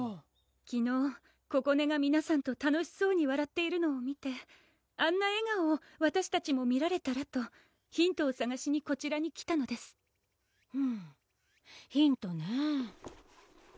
昨日ここねが皆さんと楽しそうにわらっているのを見てあんな笑顔をわたしたちも見られたらとヒントをさがしにこちらに来たのですうんヒントねぇ